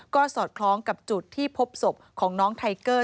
ก็สอดคล้องกับจุดที่พบศพของน้องไทเกอร์